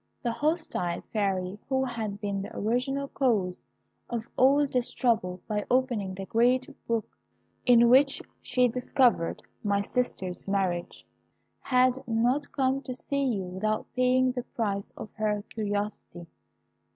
The hostile Fairy, who had been the original cause of all this trouble by opening the great book in which she discovered my sister's marriage, had not come to see you without paying the price of her curiosity.